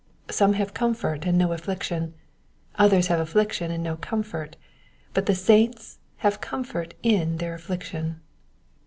Some have comfort and no affliction, others have affliction and no comfort ; but the saints have comfort in their affliction.